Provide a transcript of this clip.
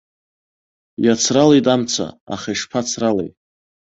Иацралеит амца, аха ишԥацралеи.